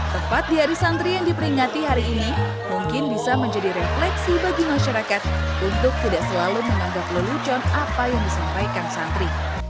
tepat di hari santri yang diperingati hari ini mungkin bisa menjadi refleksi bagi masyarakat untuk tidak selalu menganggap lelucon apa yang disampaikan santri